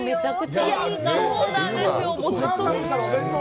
そうなんですよ。